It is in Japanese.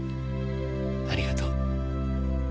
ありがとう。